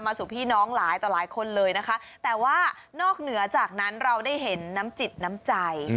สู่พี่น้องหลายต่อหลายคนเลยนะคะแต่ว่านอกเหนือจากนั้นเราได้เห็นน้ำจิตน้ำใจ